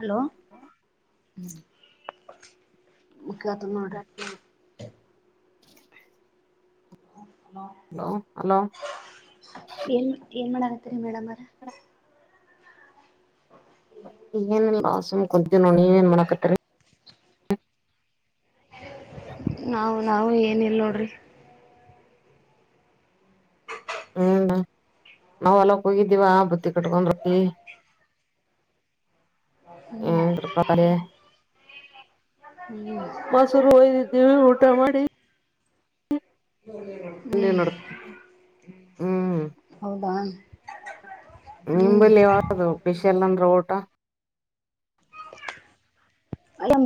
Hello ಹ್ಮ [unintelligible] ಅ ಗ [inaudible] hello ಏನ್ ಏನ್ ಮಾಡ [inaudible] ಮೇಡಮ್ ಅರ [inaudible] ನೀವೇನು ಮಾಡ್ಕತ್ರಿ ನಾವು ನಾವು ಏನ ಇಲ್ ನೋಡ್ರಿ ಹ್ಮ ನಾವ ಎಲ್ಲಕ್ ಹೋಗಿದ್ದೀವ ಬುತ್ತಿ ಕಟ್ಕೊಂಡ್ರಕ್ಕಿ [inaudible] ಹ್ಮ್ ಹ್ಮ ತೃಪಾಲ ಹ್ಮ್ ಮಾಸೂರು ವದವಿ ಉಊಟಾ ಮಾಡಿ ಬಂದೀವ್ ಹ್ಮ್ ನೋಡ್ ಹ್ಮ್ ಹೌದಾ [inaudible] ಹ್ಮ್ ನಿಂಬಲ್ಲಿ ಯದು ಪಶ್ ಎಲ್ಲಂದ್ರ ಊಟ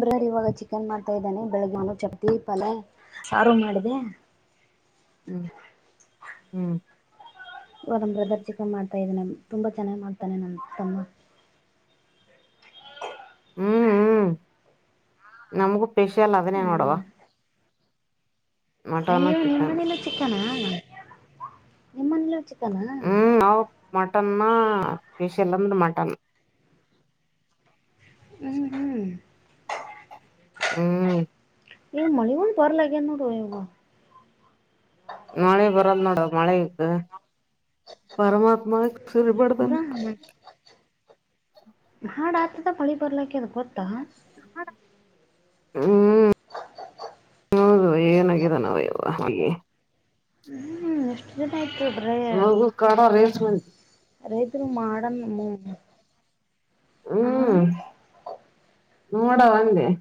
ಬ್ರರ್ ಇವಾಗ ಚಿಕನ್ ಮಾಡ್ ಹತಾ ಇದ್ದಾನೆ ಬೆಳಗ್ಗೆ ನಾನು ಚಪ್ತಿಪಲ್ ಸಾರು ಮಾಡಿದೆ ಹ್ಮ್ ಹ್ಮ್ ಇ ಬ್ರದರ್ ಚಿಕನ್ ಮಾಡ್ತಾ ಇದೇನೆ ತುಂಬಾ ಚೆನ್ನಾಗ್ತಾನೆ ನನ್ ತಮ್ಮ ಹ್ಮ್ ಹ್ಮ್ ನಮಗೆ ಪಷಲ್ಲ ಅದನ್ನೇ ನೋಡವಾ ಹ್ಮ್ ಮಟನ್ ಚಿಕನ್ ಎ ಮನಲ ಚ ಹ್ಮ್ ನಾ ಮಟನ್ನ ಹ ಪಷ ಎಲ್ಲಂದರ ಮಾಟಾನ ಹ್ಮ್ ಹ್ಮ್ [inaudible] ಹ್ಮ್ [inaudible] ಇ ಮಾಡಿ ಒನ್ ಪಲಾಗೆನು ರವ [inaudible] ಮಳೆ ಬರಲ್ದ ನೋಡ ಮಳೆ ಪರಮಾತ್ಮ ಈಗ ಸರಿಪಡ್ತನ್ ಹಾಡ ಆತದ ಮಳಿ ಬರ್ಲಕ್ಕೆ ಅದು ಗೊತ್ತಾ ಹ್ಮ್ ಹೌದು ಏನಾಗಾಗಿದೆ ನಾವ ಯ್ ಹಗೆ [inaudible] ಹ್ಮ್ ಎಷ್ಟು ಜನ ಆಯ್ತು [inaudible] ರೇೇ ನಗು ಕಾಡ ರೇಸ್ ಮಂದಿ ರೈತರು ಮಾ ಆಡ [inaudible] ಆ ಹ್ಮ್ [inaudible] ನೋಡ ಒಂದೆ [inaudible]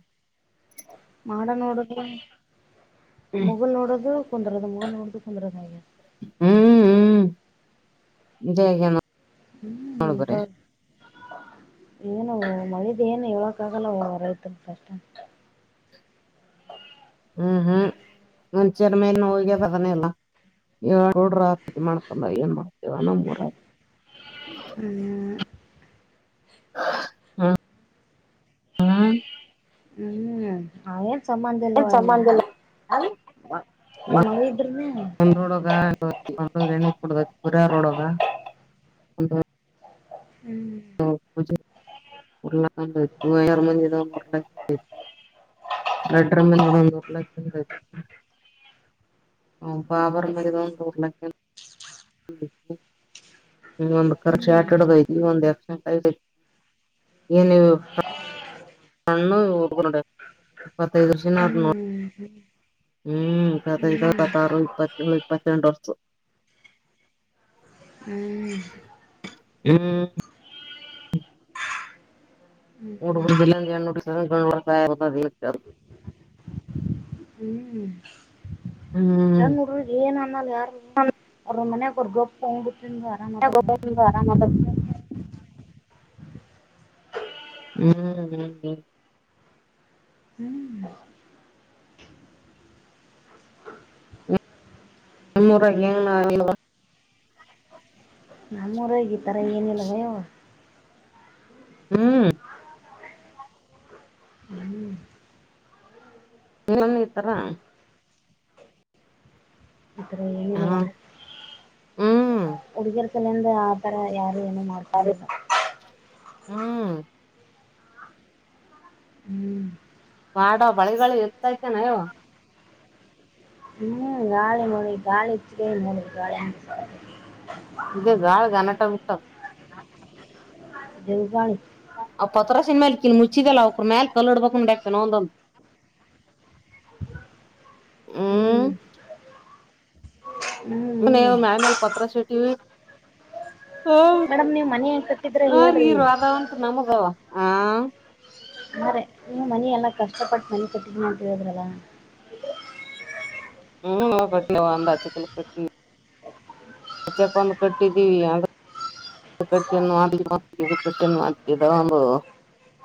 ಮಾಡ ನೋಡುದು, ಹ್ಮ್ ಮುಗುಲ್ ನೋಡದು ಕುಂದ್ರದು- ಮುಗುಲ್ ನೋಡುದು, ಪಂದ್ರದಾಗದ. ಹ್ಮ್, ಹ್ಮ್ ಇದೆ ಹಾಗಿದೆ ನೋಡ್, ಹ್ಮ್ಮ ಬರೀ ಸ [inaudible] ಏನವ ಮಳಿದ ಏನು ಹೇಳಕ್ಕ ಆಗಲ್ಲ ರೈತರು ಕಷ್ಟ [inaudible] [unintelligible] ಮನ ಚರಮೇ ನೋವಗೆಾ ಪನ್ನೇಲ್ಲ [unintelligible] ಏ ಡ್ರ ಆತತಿ ಮಾಡ್ಕೊಂಡ ಏನ್ ಮಾಡ್ತೇವಣರ [unintelligible] ಅ [inaudible] ಹ್ಮ್, ಹ್ಮ್ ಹ್ಮ್, ಅವೇನ್ ಸಂಬಂದಿಲ್ಲವ ಏನ್ ಯಾವ, ಸಂಬಂಧ ಇಲ್ಲ ಒಂದ್ ರೋಡ್ ಒ ನ ಕೊಡ ಪರಿ್ಯ ರೋಡ್ಗ ಒ [unintelligible] ಹ್ಮ್ ಉ ಉ [unintelligible] ರಡ್ಡೆರ ಮಂದಿದ ಹುಡುಗ ಉರ್ಲಹಾಕಂದಾದ. ಹ ಪಾಬರ ಮದ ತರ್ಲ [inaudible] [unintelligible] ಹ್ಮ, ಒಂದ ಹ್ಮ್ ಶ್ಯಾಟಿಡ್ದ ಒಂದ್, ಎಕ್ಸೆಂಟ್ ಆಗಿಸತಿತ ಏನ- ಹೆಣ್ಣಿನ ಹುಡುಗರುಇತ್ತೈದು ವರ್ಷನರು. ಹ್ಮ್ ಹ್ಮ್ - ಹ್ಮ, ಇತ್ತೈದು, ಹ್ಮ್ ಇಪ್ಪತ್ತಾರು, ಇಪ್ಪತ್ತೇಳು, ಇಪ್ಪತ್ತೆಂಟು ವರ್ಷದವರು. ಹ್ಮ್, ಹ [inaudible] ಹ್ಮ್ ಮೂಡು ಜಿಲ್ಲ ನೋಟಿಸ ಸಹಾಯ [unintelligible] ಹ್ಮ್ ಹ್ಮ್ ಹೆಣ್ಣು ಹುಡಗರಿಗೆಏನ್ ಅನ್ನಲ್ಲ ಯಾರ ಅವ್ರ ಮನಯ ಅವ್ರ ಗಪ್ ಹೋಗ್ಬಿಟ್ಟು, ಆರಾಮದಾರ ನೋಡ್ ಹ್ಮ್ [unintelligible] ಹ ಹ್ಮ್ ನನ್ನೂರ [unintelligible] ನಮ್ಮೂರಗ ಈತರ ಏನಿಲ್ಲವ ಯವ‌ ಹ್ಮ್, ಹ್ಮ್ ಇಲ್ಲೇನು ಈತರ ಈ ತರ ಹಾ ಹ್ಮ್ [unintelligible] ಹುಡುಗೆರ್ಸಲಿಂದ ಆತರ ಯಾರು ಏನ ಮಾಡ್ಕೊಂಡಿಲ್ಲ. ಹ್ಮ್ ಹ್ಮ್, ಮಾಡೋ ಮಳೆಗಳು ಇತ್ತತೈತೆ ನಯವು [unintelligible] ಹ್ಮ್, ಗಾಳಿ, ಮಳಿ -ಗಾಳಿಎಚ್ಚಿಗಿ, ಗಾಳಿ ಘಟನೆ ಬಿಟ್ಟಿದೆ., ಜವುಗಾಣಿ [unintelligible] ಆ ಪತ್ರಾಸಿನ್ ಮ್ಯಾಲ ಕಿಂಗ್ಮುಚ್ಚಿದೆಲ್ಲಾ ಅವ್ಕ್ರ ಮ್ಯಾಗ ಕಲ್ಲಿಇಡ್ಬೇಕ ನೋಡೇಕ್ಕ ಒಂದೊಂದು. ಹ್ಮ್, ಹ್ಮ್ ನೋಯವ್ವ ಮ್ಯಾಳಿಗಿಮೇಲೆ ಪತ್ರಸ್ ಹಾಕಿವಿ. ಹ ಮೇಡಮ್ ನೀವು ಮನೆ ಕಟ್ಟಿದ್ರೆ ಹ ರೀ ಹೇಳ್ರಿ ರ ಅದಾವಂತ ನಮಗವ ಹ [unintelligible] ಹ್ರೆ, ನೀವು ಮನಿ ಎಲ್ಲ ಕಷ್ಟಪಟ್ಟು ಮನಿ ಕಟ್ಟಿದಿನಿಅಂತ ಹೇಳದ್ರಲ್ಲ, ಹ್ಮ್ ನ ಕಟ್ಟಂದ ಆಕಲ್ ಕಟ್ಟ [unintelligible] [unintelligible] ಇ ಕಟ್ಟಿಿನ್ಲಿ ಮ ಇದು ಕಟ್ಟಿನ್ ಇದ ಒಂದು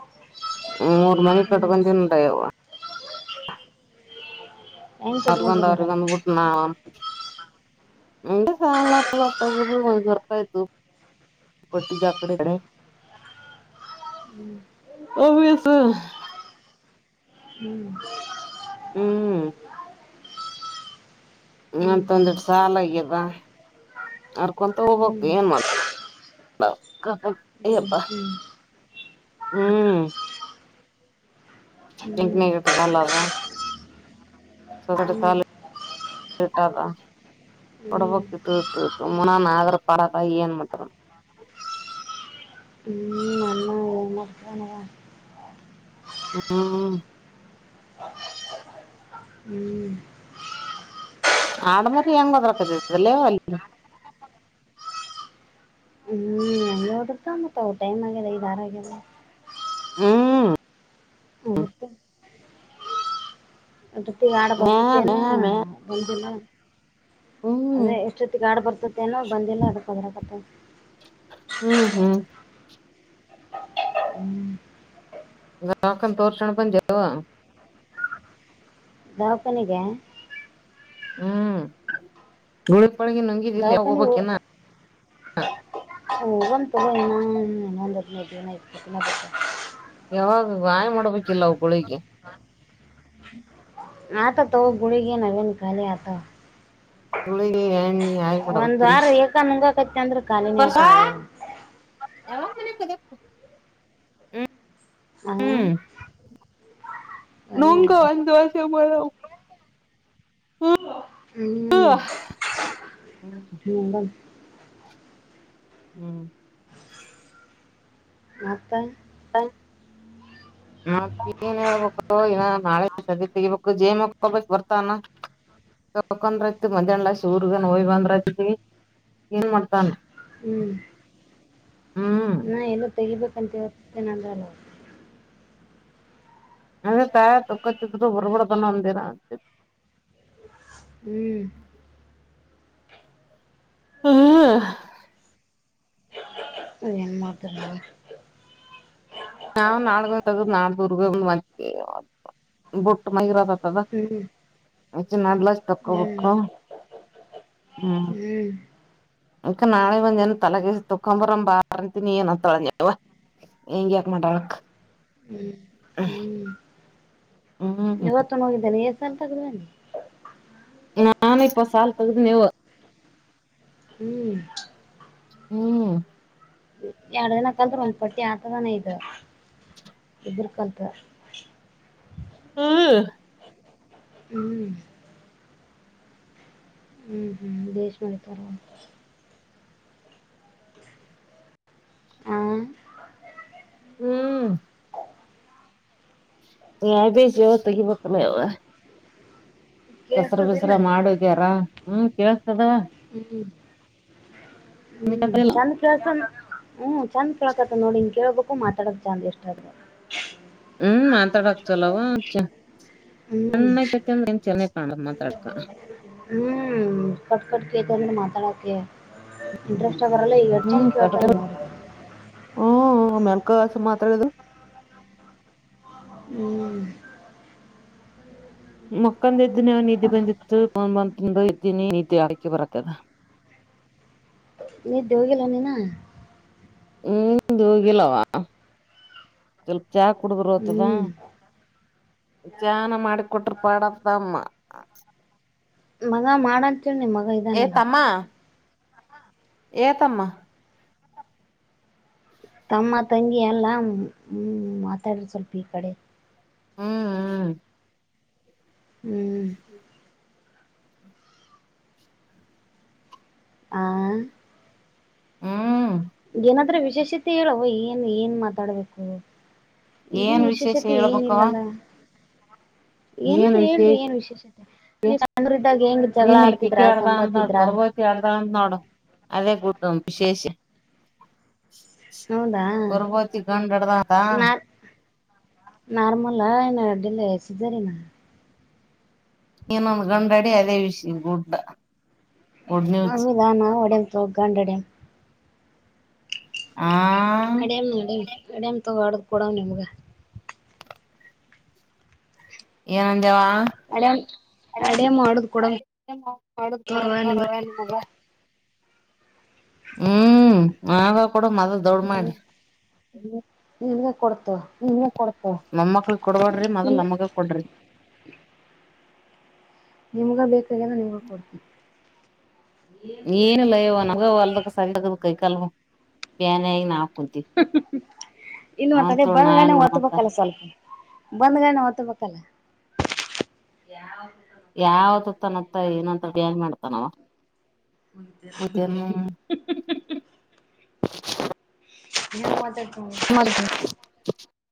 [inaudible] ಮೂರು ಮನಿ ಹ್ಮ್ ಕಟ್ಟಗಂಡಿನೆ ಯವ್ವ. - ಹೆಂಗ್ ಕಟ್ಕೊಂಡ್ರಿ ಅವರಿಗೊಂದು, ಮೇಡಮ್ ಅವರಿಗೊಂದು ಬಿಟ್ ನಾವ್ ಒಂದು, ಹ ಚಲ್ಲಲ್ಲರ್ಕಯತು [unintelligible] ಪಟ್ಟಟ್ಟಿಗ ಕಡೆ ಅಣ [unintelligible] ವಸ [inaudible] ಹ್ಮ್ ಹ್ಮ್,,, ಹ್ಮ್ ಇನಂತ ಒಂದಿಟ್ ಹ್ಮ್ ಸಾಲಗ್ಯದ ಅರ್ಕೊಂತ ಹೋಗ್ಬೇಕ್ ಹ್ಮ್ ಏನ್ ಮಾಡ್ತಿ ಹ್ಮ್ ಏಪ್ಪ ಹ್ಮ್ ಹ್ಮ್ [unintelligible] ಹ್ಮ್ ಹ್ಮ್ [unintelligible] ಹ್ಮ್ ಕೊಡಪಕ್ ಇಟ್ಟ ಇಟ್ಟ ಇಟ್ಟು ಮುನ್ನಾ ನಾಗರ ಪಾರಕಾಯ ಏನ್ ಮಟ ಹ್ಮ ಹ್ಮ ಹ್ಮ್ ಆಡಂಬರ ಬದಕ್ಕಲ್ಲೇ ಅಲ್ಲ ನೋಡ ಮತ್ತ ಅವ ಟೈ್ ಆಗ್ಯಿದೆ ಈ ದಾರ ಆಗಲ್ಲ ಹ್ಮ ಹತ್ತ ಪ್ರೊತಿ ವಾಡ ಮ್ಯಾ ಬರ್ತತ್ತೇನೋ ಮ್ಯಾ ಮ್ಯಾ ಒಂದಿಲ್ಲ ಹ್ಮ್ ಅದೇ ಎಷ್ಟೊತ್ತಿಗೆ ಗಾಡು ಬರ್ತತ್ತೇನೋ ಬಂದಿಲ್ಲ ಹಡ್ಕೋದ್ರಕತ್ತೆ ಹ್ಮ್ ಹ್ಮ್ ಹ್ಮ್ ಗಾಕನ್ ತೋರಷಣ [unintelligible] ಹಕನಿಗೆ ಹ್ಮ್ ತ ದಾವಖಾನ ಹೋಗಂತ ಏನು ಹ್ಮ್ ನಂದ ಮೋದ ಇ ಯಾವಾಗ ಗಾಯ ಮಾಡ್ಬೇಕು ಹ ಆತ ತ ಗುಳಿಗೆ ಹವನು ಕಾಲ ಆತ ಇಳ [unintelligible] ಒಂದ್ ವಾರ ಏಕ ನುಂಗಕಚ್ಚ ಅಂದ್ರೆ ಖಾಲಿನಿ ಆತ ಯಾವ ಹ್ಮ್ ಹ್ಮ್ ನೋಂಗ ಒಳ್ಳೆದ ಅಂದು ವರ್ಷ ಮೂರ ಹ್ಮ್ ಹ್ಮ್ ಮತ್ತ ಹ ಮ ಏನ್ ಹೇಳ್ಬೇಕು ಇನ ನಾಳೆ ಸದ ತೆಗಿಬೇಕು ಜೇಮಕಬ ಬರ್ತಾನ ತಕಂದ್ರತಿ ಮಧ್ಯಾಹ್ಲ ಶ ರ್ಗನ್ ಹೋಯ್ ಬಂದ್ರತಿವಿ ಏನ್ ಮಾಡ್ತಾನ ಹ್ಮ್ ಹ್ಮ್ ನಾ ಎಲ್ಲೋ ತೆಗಿಬೇಕಂತ ಇತ್ತೇ ನಂದಲ್ಲ ಅ ತ ತಕ್ಕ ಚ ಹೊರಬಡೆ ತನ ಅಂದೇರ ಹ್ಮ್ ಹ್ಮ್ ಅದ ನ್ ಮಾಡ್ತರ ಬೊಟ್ಟ ಮರತ ಅದ ಹ್ಮ್ ನಲ್ಲ ತಕ್ಕ ಹ್ಮ್ ಪಕ್ಕೋ ಹ್ಮ್ ಇಕ ನಾಳೆ ಒಂದನು ತಲೆಗೇಶಸ ತಕ್ಕಾಂಬುರ ಬಾರಂತ ನೀಏನ ತೊಳವ ಹೆಂಗ ಯಾಕ್ ಮಾಡಟಳಕ್ ಹ್ಮ್ ಹ್ಮ್ ಹ್ಮ್ ಇವತ್ತ ಹೋಗಿದ್ದೇನೆ ಎ ಸಲ್ ತಗವೇನೆ ನಾನ ಇಪ್ಪ ಸಾಲ ಪೆಗೆದು ನೀವು ಹ್ಮ್ ಹ್ಮ್ ಎರಡ್ ದಿನಕಲ್್ರ ಒಂದ್ ಪಟ್ಟಿ ಆತದಾನ ಇದು ಎಧರ್ಕಲ್ದಲ್ಲಿ ಹ್ಮ ಹ್ಮ್ ಹ್ಮ್ ಹ್ಮ್ [unintelligible] ಹ ಹ್ಮ್ [unintelligible] ಕಸರ ಬಸರ ಕೇಳ್ತದಿಲ್ಲ ಮಾಡಿದ್ಯಾರ ಹ್ಮ ಕೇೇಳತದ ಹ್ಮ್ ಹ್ಮ್ [unintelligible] ಹ್ಮ್ ಚಂದ್ ಕೇಳಕತ್ ನೋಡು ಇಂಗೆ ಕೇಳಬೇಕು ಮಾತಾಡಕ್ ಚಂದ್ ಇಷ್ಟ ಆಗ್ ಹ್ಮ್ ಮಾತಾಡಕ್ಕೆ ಚಲೋ ಹ್ಮ್ [unintelligible] [unintelligible] ಹ್ಮ್ ಕಟ್ ಕಟ್ ಕೇಳುತಂದ್ರೆ ಮಾತಾಡಕ ಇಂಟ್ರೆಸ್ ಹ್ಮ್ [unintelligible] ಹ್ಮ [unintelligible] [unintelligible] [inaudible] ಹ್ಮ್ ಮಕ್ಕಂದಿದಿನಿ ನಿದ್ದೆ ಬಂದಿತ್ತು [unintelligible] ಬರುತ್ತದ [inaudible] ನಿದ್ದೆವೋಗಿಲ್ಲ ಏನು ಇನ್ನ ಹ್ಮ್ ಹೋಗಿಲ್ಲವಾ ಚಾ ಕುಡಿದ್ರ ಓತದ ಹ್ಮ್ ಚಹಾನಾ ಮಾಡಿ ಕೊಟ್ರ ಪಾಡ್ ಆಗ್ತದಮ್ಮ ಹ ಮಗ ಮಾಡಂತ ಹೇಳು ಮಗ ಏ ಇದಾನಲ್ಲ ತಮ್ಮ ಏ ತಮ್ಮ ತಮ್ಮ ತಂಗಿ ಎಲ್ಲ ಹ್ಮ ಮಾತಾಡ್ರ ಸ್ವಲ್ಪ ಈ ಕಡೆ ಹ್ಮ್ ಹ್ಮ್ ಹ್ಮ್ ಆ ಹ್ಮ್ಮ್ ಏನಾದ್ರ ವಿಶೇಷತೆ ಹೇಳವ ಏನ್ ಮಾತಾಡ್ಬೇಕು ಏಳು ಈಗೇನು ಏನ್ ವಿಶೇಷ ವಿಶೇಷತೆ ಏನು ಹೇಳ್ಬೇಕವ ಇಲ್ವಾಲ ಏನಾರ ಏನ್ ಹೇಳ್ರಿ ವಿಶೇಷ ಏನ್ ವಿಶೇಷತೆ ನೀವು ಸಣ್ಣವರಿದ್ದಾಗ ಏನು ಜಗಳ ನೀನ್ ಕಿಕ್ಕಿ ಆಡ್ತಿದ್ರ ಆಡ್ದ ಸಂಬತ್ತಿದ್ರ [unintelligible] ವಿಶೇಷ ಹೌದಾ [unintelligible] ನಾರ್ ನಾರ್ಮಲ್ ಆ ಇಲ್ಲ ಸಿಸೇರಿಯನ್ ಹಾ ಇನೊಂದು ಗಂಡ ಅಡಿ ಅದೇ [unintelligible] ಹಾ ನ್ಯೂಸ್ ನಾವು ಅಡಿಯನ ತಗ ಗುಂಡು ಅಡಿಯನ ಆ ಅಡಿಯನ ಆಡಿಯನ ಅಡಿಯಮ ತಗೋ ಆಡಿಡು ಕೊಡನಾ ನಿಮ್ಗ ಏನಂದೇವಾ ಅಡೇಮ್ ಅಡೇಮ್ ಹೊಡದ್ ಕೊಡಮ್ ತೋರ್ವ ನಿಮ್ಗ [unintelligible] ಹ್ಮ್ ಆಗ ಕೂಡ [unintelligible] ಮಾಡಿ [unintelligible] ನಿಮ್ಗ ಕೊಡ್ತವ ಮೊಮ್ಮಕ್ಕಳು ಕೊಡಬೇಡ್ರಿ ಮೊದಲ್ ನಮಗ ಕೊಡ್ರಿ ನಿಮ್ಗ ಬೇಕಾಗನ ನೀವ್ಗೂ ಕೊಡ್ತೀನ ಏನಿಲ್ಲಯವ ನಗ ಓಲ್ಡ್ ಸರಿ ಆಗದ ಕೈಕಾಲು ಬ್ಯಾನ್ ಆಗಿ ನಾವು ಕುಂತಿವೆ ಇನ್ನು ಮಂತದೆ ಬಂದ್ಗನ ಒತ್ತಬೇಕಲ್ಲ ಸ್ವಲ್ಪ ಬಂದ್ಗನ ಒತ್ತಬೇಕಲ್ಲ [unintelligible] ಯಾವ ಯಾವ್ದ ತತ್ತಾನಂತ ಏನು ಅಂತ [unintelligible] ಮಾಡ್ತಾನವ [inaudible] ಮತ್ತೇನ್ [unintelligible] [unintelligible] [unintelligible]